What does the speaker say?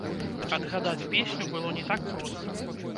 Адгадаць песню было не так проста.